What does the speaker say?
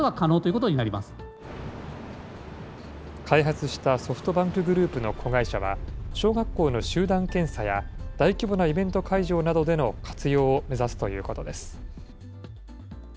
開発したソフトバンクグループの子会社は、小学校の集団検査や、大規模なイベント会場などでの活用を目指すということです。